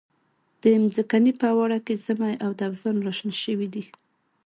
د منځکي په اواړه کې زمۍ او دوزان را شنه شوي دي.